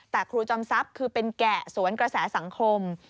แต่ครูจอมทรัพย์คือเป็นแกะสวนกระแสสังคม